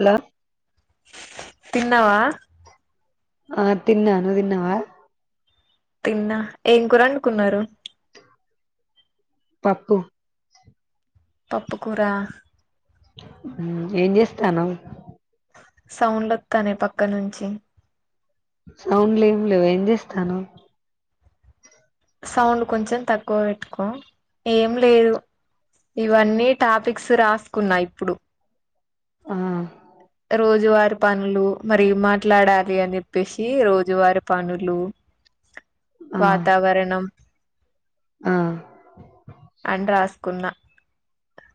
Hello తిన్నావా ఆ తిన్నాను నువ్ తిన్నావా తిన్నా ఏం కూర వండుకున్నారు పప్పు పప్పు కూర ఉమ్ ఏం చేస్తునావ్ సౌండ్ వస్తాంది పక్క నుంచి సౌండ్లు ఏం లేవు ఏం చేస్తాన్నావ్ సౌండ్ కొంచెం తక్కువ పెట్టుకో ఏం లేదు ఇవన్నీ టాపిక్స్ రాసుకున్నా ఇప్పుడు ఆ రోజువారి పనులు మరి ఏం మాట్లాడాలి అని చెప్పేసి రోజువారి పనులు ఆ వాతావరణం ఆ అని రాస్ కున్నా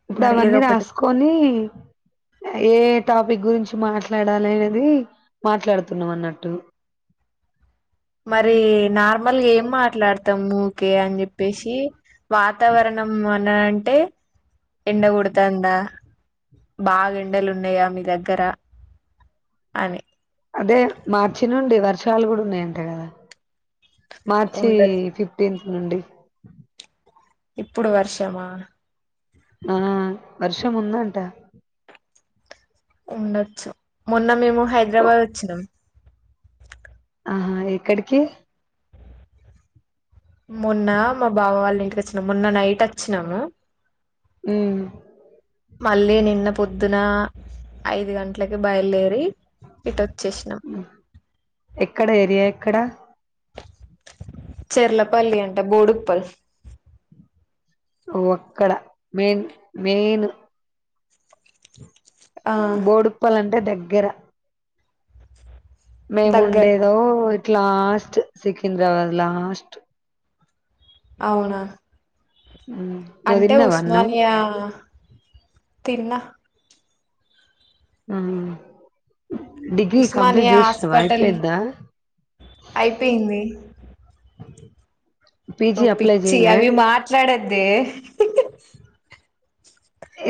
ఇప్పుడు అవన్నీ రాసుకొని ఏ టాపిక్ గురించి మాట్లాడాలి అనేది మాట్లాడుతున్నాం అన్నట్టు మరి నార్మల్ ఏం మాట్లాడుత ఊకే అని చెప్పేసి వాతావరణం అన్నా అంటే ఎండకొడతాందా బాగా ఎండలు ఉన్నాయా మీ దగ్గర అని అదే మార్చి నుండి వర్షాలు గూడా ఉన్నాయంట కదా మార్చి ఉండొచ్చు ఫిఫటీన్త్ అండి ఇప్పుడు వర్షమా ఆ వర్షం ఉందంట ఉండచ్చు మన్ న్న మేము ఓ, హైదరాబాద్ వచ్చినాం ఆహా ఎక్కడికి మొన్నా మా బావ వాళ్ళ ఇన్ చ్చిన మొన్న నైట్ వచ్చినము ఉమ్ మళ్ళీ నిన్న పొద్దున ఐదు గంటలకి బయలుదేరి ఇటు వచ్చేసినాం ఎక్కడ ఏరియా ఎక్కడ చెర్లపల్లి అంట బోడు పల్స్ ఓ అక్కడ మెయిన్ మెయిన్ ఆ బోడుపల్ అంటే దగ్ గ్గరా మేము దగ్గరన ఉండేదో క్లాస్ట్ సికింద్రాబాద్ లాస్ట్ అవునా నువ్వు అంటే తిన్నావా అన్నం ఉస్మానియా తిన్నా ఆ ఉస్మానియా హాస్పిటల్ అయిపోయిందా అయిపేయింది ఓ పీజీ అప్లై పిచ్చి చేయలే అవి మాట్లాడే దే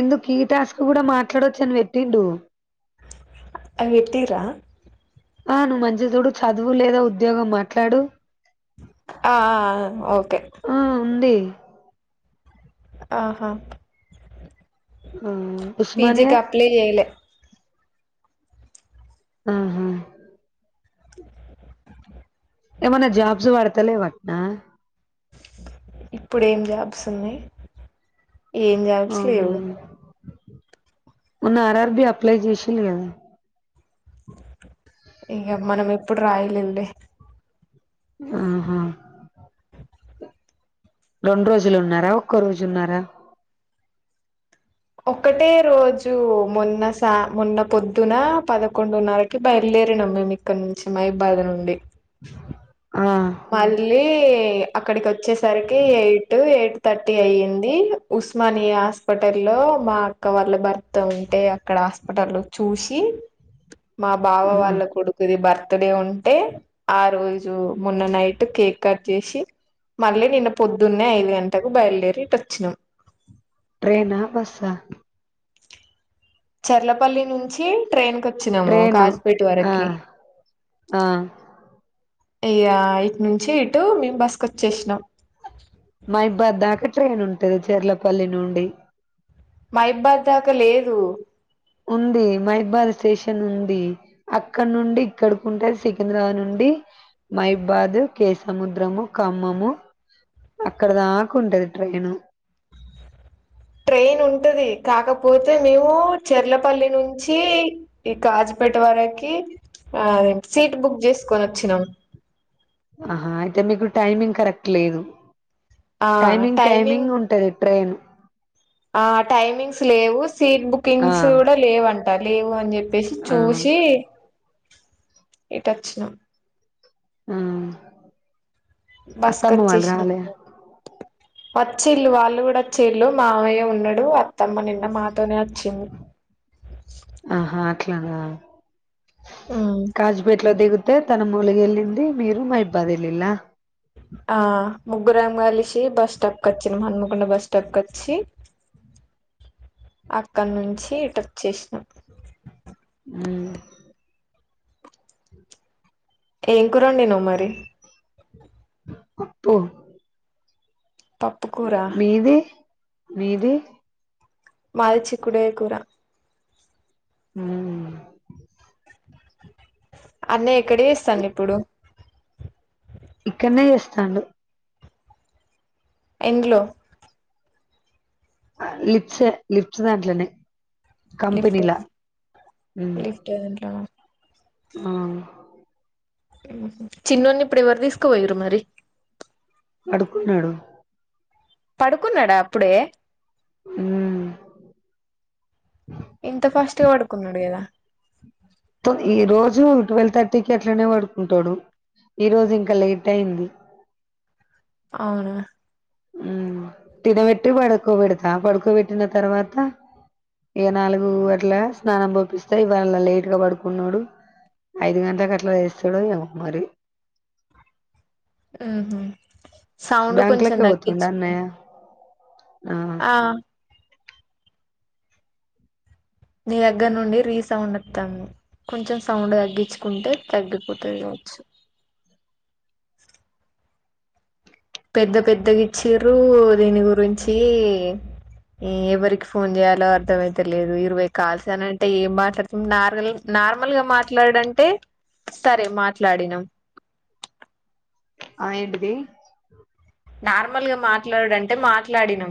ఎందుకు కీటాస్క్ కూడా మాట్లాడవచ్చు అని పెట్టిండు అవ్ పెట్టిరా ఆ నువ్వు మంచి చూడు చదువు లేదా ఉద్యోగం మాట్లాడు ఆ ఓకే ఆ ఉంది ఆహా ఆ ఉస్మానియా పిజికి అప్లై చేయలే ఆహా ఏమన్నా జాబ్స్ పెడతలేవ ఆ ఇప్పుడు ఎం జాబ్స్ ఉన్నాయి? ఏం జాబ్స్ అవునా లేవు మొన్న ఆర్ ఆర్ బి అప్లై చేసింది కదా ఇక మనం ఎప్పుడు రాయలండి అహా రెండు రోజులున్నారా ఒక్క రోజున్నారా ఒకటే రోజు మొన్న సా మొన్న పొద్దున పదకొండున్నరకి బయలుదేరినం మేము ఇక్కడ నుంచి మై బాధ్ నుండి ఆ మళ్ళీ అక్కడికి వచ్చేసరికి ఎయిట్ ఎయిట్ థర్టీ అయ్యింది. ఉస్మానియా హాస్పిటల్లో మా అక్క వాళ్ళు భర్త ఉంటే అక్కడ హాస్పిటల్ లోచూసి మా బావ వాళ్ళ కొడుకుది భర్ త్ డే ఉంటే ఆ రోజు మొన్న నైట్ కేక్ కట్ చేసి మళ్ళీ నిన్న పొద్దున్నే ఐదు గంటకు బయలుదేరీ ఇటు వచ్చినాం ట్రైనా బస్సా చెర్లపల్లి నుంచి ట్రెయిన్ కి వచ్చినాము ట్రైను కాజ్పేట ఆ వరకి ఆ అయ్యా ఇటు నుంచి ఇటు మేము బస్కుొచ్చేసినాం మయిబధ్ దాక్ ట్రైన్ ఉంటది చెర్లపల్లి నుండి మయిబద్ దాకా లేదు ఉంది మహిబాద్ స్టేషన్ ఉంది అక్కడ నుండి ఇక్కడకి ఉంటది సికింద్రాబాద్ నుండి మహిబాద్, కే సముద్రము, ఖమ్మము అక్కడ దాకా ఉంటది ట్రైను ట్రైన్ ఉంటుది కాకపోతే మేము చెర్లపల్లి నుంచి ఈ కాజుపేట వరకి ఆ సీట్ బుక్ చేసుకొన వచ్చినాం ఆహా అయితే మీకు టైమింగ్ కరెక్ట్ లేదు ఆ టైమింగ్ ఆ టైమింగ్స్ లేవు సీట్ ఆ బుకింగ్స్ కూడా లేవంటారు లేవు అని చెప్ వేసి ఆ చూసి ఇటు వచ్చినం ఊ బస్ కొచ్చేసిన వచ్చేల్ళు వాళ్ళు కూడా వచ్చేళ్ళు మావయ్య ఉన్నాడు త్తమ్మ నిన్న మాతోనే వచ్చింది అట్లాగ ఉమ్ కాచపెట్లో దిగు తే తను మూలగెల్లింది మీరు మైబాధ్ ఎల్లిల ఆ ముగ్గురాం కలిసి బస్ స్టాప్ క్ వచ్చినాం హన్మకొండ బస్ స్టాప్ కి వచ్చి అక్కడి నుంచి ఇటు వచేసినాం ఉమ్ ఏం కురవండి నావ్ మరి అబ్బొ పప్పు కూర మీది మది చికూడికాయ కూర ఆ అనే ఇక్కడే ఇస్తాను ఇప్పుడు ఇక్కడనే చేస్తాండు ఇండ్లో లిప్స్ లిప్స్ దాట్ల లిఫ లిఫ అ చిన్నోనీ ఇప్పుడు ఎవరు తీసుకుపోయురు మరి పడుకున్నాడు పడుకున్నాడా అప్పుడే మ్మ్ ఇంత ఫాస్టుగా పడుకున్నాడు కదా ఈ రోజు ట్వెల్వ్ థర్టీకి అట్లనే పడుకుంటాడు ఈ రోజు ఇంకా లేట్ అయింది అవును తినబెట్టి పడుకోబెడతా పడుకోబెట్టిన తర్వాత ఇక నాలుగు గట్ల స్నానం పపిస్తా ఇవాళ లేట్గా పడుకున్నాడు ఐదు గంటలలకు అట్లా వేస్తాడు మరి ఆ బ్యాంక్ లోక పోతుడా అన్నయ ఆ నీ దగ్గర నుండి రీసౌండ్ వస్తాను కొంచెం సౌండ్ తగ్గించుకుంటే తగ్గిపోతుంది కావచ్చు పెద్ద పెద్దగా ఇచ్చర దీని గురించి ఎవరికి ఫోన్ చేయాలో అర్థ అయితే లేదు ఇరవై కాల్స అనంటే ఏం మాట్లాడుతాం నార్మల్ నార్మల్గా మాట్లాడంటే సరే మాట్లాడినాం ఆ ఏంటిది నార్మల్గా మాట్లాడడంటే మాట్లాడి ను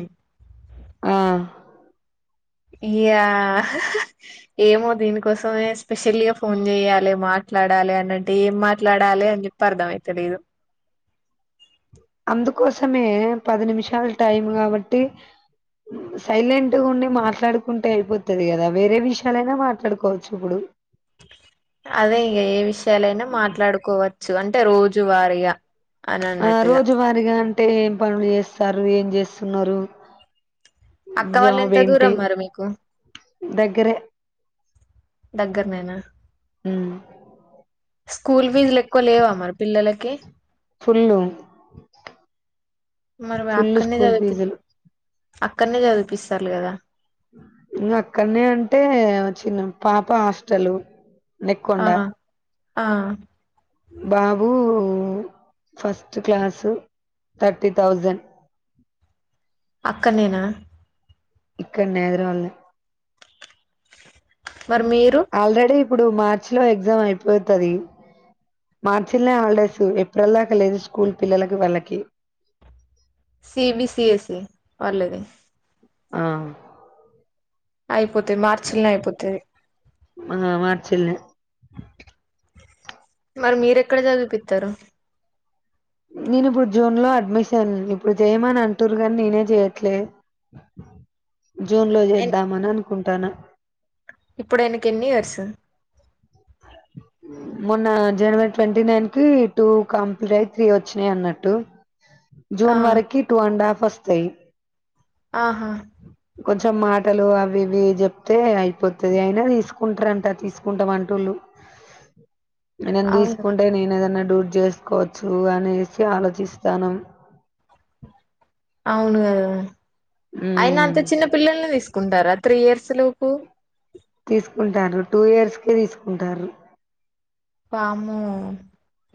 ఆ ఇయా ఏమో దీనికోసమే స్పెషల్గా ఫోన్ చెయాలి మాట్లాడాలి అన్నంటే ఏం మాట్లాడాలి అని చెప్పి అర్థం అయితేలిదు అందుకోసమే పది నిమిషాల టైం కాబట్టి సైలెంట్గా ఉండి మాట్లాడుకుంటే అయిపోతుది కదా వేరే విషయాలైనా మాట్లాడుకోవచ్చు ఇప్పుడు అదే ఇంక ఏ విషయాలైనా మాట్లాడుకోవచ్చు అంటే ట్ట రోజు వారయా ఆ రోజువారగా అంట అంటే ఏం పనులు చేస్తారు ఏం చేస్తున్నారు అక్క వాళ్ళు జాబ్ ఎంత ఏంటి దూరం మ మీకు దగ్గరే దగ్గర నేనా అ ఫీజులు ఎక్కువ లేవా మరి పిల్లలకి ఫుల్లు మరి చుల్లు అక్కడనే స్కూల్ చదివి ఫీజులు అక్కడనే చదిపిస్తారు కదా ఇ అక్కడనే అంటే చిన్న పాప హాస్టల్ నెక్కొండ ఆ ఆ బాబు ఫస్ట్ క్లాసు థర్టీ థౌజండ్ అక్కడ నేనా ఇక్కడ నదురు వాల్ళ మరి మీరు ఆల్రెడీ ఇప్పుడు మార్చి లో ఎగ్జామ్ అయిపోతుది మార్చినే హాలిడేస్ ఏప్రిల్ దాకా లేదు స్కూల్ పిల్లలకి వాళ్ళకి సిబి సిఎస్ఈ వాళది ఆ అయి పోతే మార్చి న్లె అయిపోతది ఆ మార్చిల్నే మరి మీరెక్కడ చదివుపి త్తరు నేను ఇప్పుడు జూన్ లో అడ్మిషన్ ఇప్పుడు చేయమని అంటురు కానీ నేనే జెయట్లే జూన్ లో చేద్దామని కుంటాను ఇప్పుడు ఎకు ఎన్ని వర్స మొన్న జనవరి ట్వంటీ నైన్ కి టూ కంప్లీట్ అయి త్రీ వచ్చినాయి అన్నట్టు ఆ జూన్ వరకి టూ అండ్ హాఫ్ ఫట్ స ఆహా కొంచెం మాటలు అవి ఇవి చెప్తే అయిపోతుది అయినా తీసుకుంటారంట తీసుకుంటాం వంటూళ్ళు నేనని అవునా తీసుకుంటే నేను ఏదన్న టూర్ చేసుకోవచ్చు అనేసి ఆలోచిస్తానుం అవును అయన అంత మ్మ్ చిన్న పిల్లల్ని తీసుకుంటారా త్రీ ఇయర్స్ లోపు తీసుకుంటారు టూ ఇయర్స్ కే తీసుకుంటారు పాము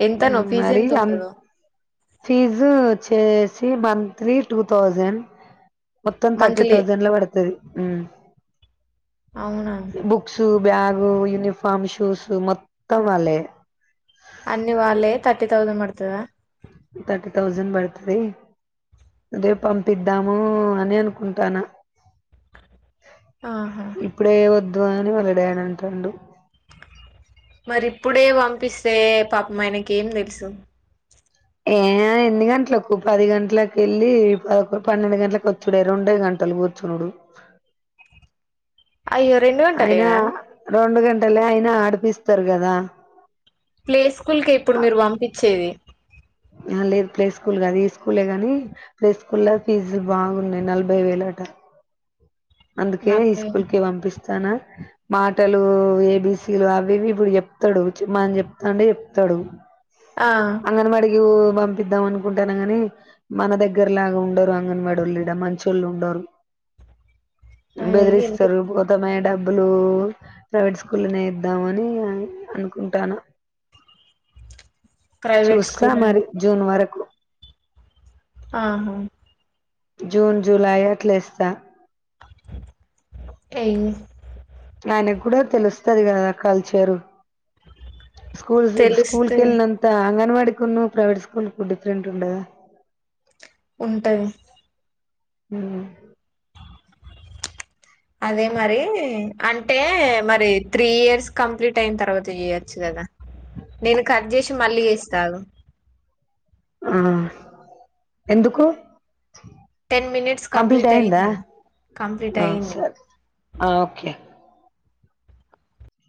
ఎంతనో ఉమ్ పిజ మరి ఎంత అం ఉంటందో ఫీజు వచ్చేసి మంత్లీ టూ థౌజండ్ మొత్తం థర్టీ మంత్లీ థౌజండ్ లో పడుతది ఆ అవునా బ్యాగు యూనిఫార్మ్ షూస్ మొత్తం వాలే అన్ని వాళ్ళే థర్టీ థౌజండ్ మతుద థర్టీ థౌజండ్ పడుతుది అదే పంపిద్దాము అని అనుకుంటాను ఆహా ఇప్పుడే వొద్ [inaudible] వెలడయాడంటడు మరిప్పుడే పంపిస్తే పాపం ఆయనకి ఏం తెలుసు ఏ ఎన్ని గంటలకు పది గంటలకెళ్ళి పదకొండు పన్నెండు గంటలలకు వచ్చుడే రెండో గంటలు కూర్చుండు అయ్యో రెండు గంటలేనా అట్టలే అయినా ఆడిపిస్తారు కదా ప్లే స్కూల్ కే ఇప్పుడు మీరు పంపించేది ఆ లేదు ప్లే స్కూల్ కాదు ఈ స్కూలే కాని ప్లే స్కూల్ లో ఫీజులు బాగున్నాయి నలభై వేల కట్టాలి అందుకే ఈ నాకు స్కూల్ కి పంపిస్తానా మాటలూ ఏబీసీలు అవివి ఇప్పుడు చెప్తాడు చిమాని చెప్తాంటే చెప్తాడు ఆ అంగన్వడికి పం పంపిద్దాం అనుకుంటాను గాని మన దగ్గర లాగా ఉండరు అంగన్వాడోళ్ళు ఇడ మంచోళ్ళు ఉండరు అయ్యో! బెదిరిస్తారు ఎందుకు గౌతమయాడబ్బ బబ్బులు ప్రైవేట్ స్కూల్లో ఎద్దాం అని అనుకుంటాన ప్రైవేట్ చూస్తా స్కూల్ మరి అండి జూన్ వరకు ఆహా జూన్ జులై అట్లా ఏస్తా ఎయ్ ఆయనకు కూడా తెలుస్తది కదా కల్చరు స్కూల్సు స్కూల్ తెలిస్తే కెల్నంత అంగన్వాడి ను ప్రైవేట్ స్కూల్ కు డిఫరెంట్ ఉండద ఉంటది ఉమ్ అదే మరీ అంటే మరి త్రీ ఇయర్స్ కంప్లీట్ అయిన తర్వాత ఇయొచ్చు కదా నేను కట్ చేసి మళ్ళీ చేస్తా ఆగు ఆ ఎందుకు టెన్ మినిట్స్ కంప్లీట్ అయిందా అయింది కంప్లీట్ ఆ అయింది సరే ఆ ఒకే